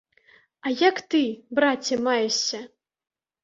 А як ты, браце, маешся?